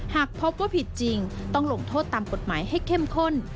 หากพบว่าผิดจริงต้องลงโทษตามกฎหมายให้เข้มข้น